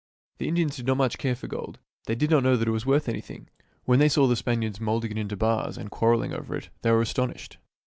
The Indians did not care much for gold. They did not know that it was worth anything. When they saw the Spaniards molding it into bars and quarreling over it, they were astonished.